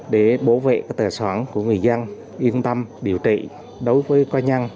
để bảo vệ tài sản của người dân yên tâm điều trị đối với ca nhân